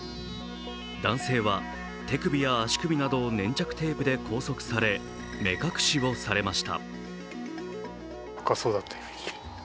男性は手首や足首などを粘着テープで拘束され目隠しをされました。